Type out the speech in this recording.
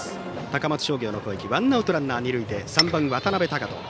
高松商業の攻撃ワンアウトランナー、二塁で３番、渡邊升翔。